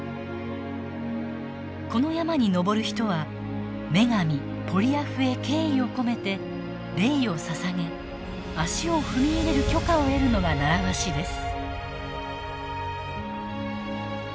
この山に登る人は女神ポリアフへ敬意を込めてレイを捧げ足を踏み入れる許可を得るのが習わしです。